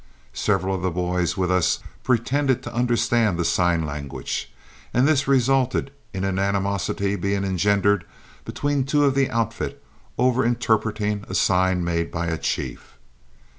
Several of the boys with us pretended to understand the sign language, and this resulted in an animosity being engendered between two of the outfit over interpreting a sign made by a chief.